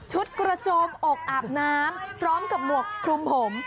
กระโจมอกอาบน้ำพร้อมกับหมวกคลุมผม